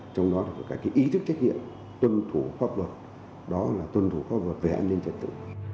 trong đó có cả ý thức trách nhiệm tuân thủ pháp luật đó là tuân thủ pháp luật về an ninh trật tự